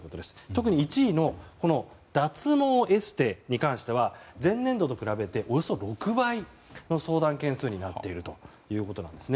特に１位の脱毛エステに関しては前年度と比べておよそ６倍の相談件数になっているということなんです。